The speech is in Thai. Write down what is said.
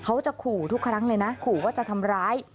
เขาจะขู่ทุกครั้งเลยนะขู่ว่าจะทำร้าย